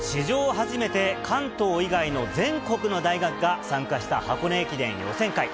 初めて関東以外の全国の大学が参加した、箱根駅伝予選会。